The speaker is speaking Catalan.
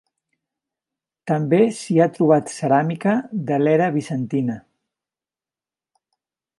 També s'hi ha trobat ceràmica de l'era bizantina.